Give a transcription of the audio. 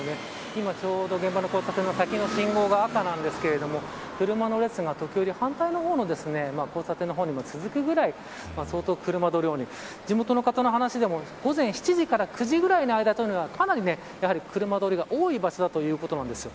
今ちょうど現場の交差点の先の信号が赤なんですけど車の列が時折反対の交差点にも続くぐらい相当、車の量も地元の方の話でも午前７時から９時あたりがかなり車通りが多い場所ということです。